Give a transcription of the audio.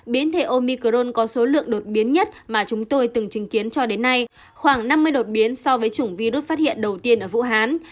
biến thể omicrone có số lượng đột biến nhất mà chúng tôi từng chứng kiến cho đến nay khoảng năm mươi đột biến so với chủng virus phát hiện đầu tiên ở vũ hán